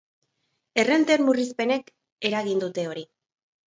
Errenten murrizpenek eragin dute hori.